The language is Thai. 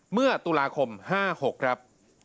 เมื่อตุลาคม๕๖ครับ